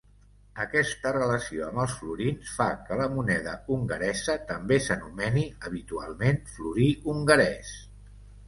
Aquesta relació amb els florins fa que la moneda hongaresa també s'anomeni habitualment florí hongarès.